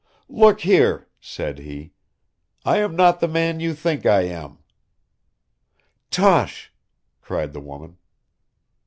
"Look here," said he. "I am not the man you think I am." "Tosh!" cried the woman.